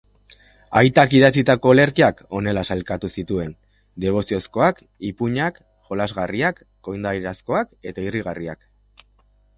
Aitak idatzitako olerkiak honela sailkatu zituen: deboziozkoak, ipuinak, jolasgarriak, kondairazkoak eta irrigarriak.